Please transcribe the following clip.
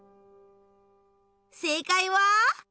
せいかいは。